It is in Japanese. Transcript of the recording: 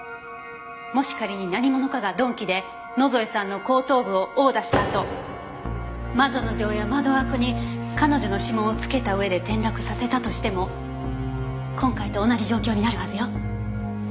もし仮に何者かが鈍器で野添さんの後頭部を殴打したあと窓の錠や窓枠に彼女の指紋をつけた上で転落させたとしても今回と同じ状況になるはずよ。